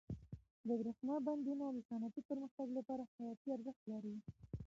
د برښنا بندونه د صنعتي پرمختګ لپاره حیاتي ارزښت لري.